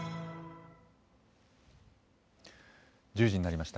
１０時になりました。